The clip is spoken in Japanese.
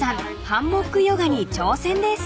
ハンモックヨガに挑戦です］